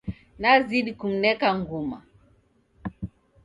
Nazidi kumneka nguma